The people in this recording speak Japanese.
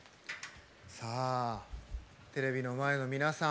テレビの前の皆さん